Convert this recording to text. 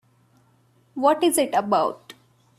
What is it about?